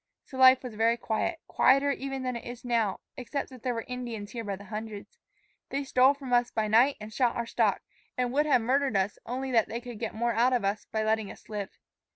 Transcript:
So life was very quiet, quieter even than it is now, except that there were Indians here by the hundreds. They stole from us by night and shot our stock, and would have murdered us only that they could get more out of us by letting us live.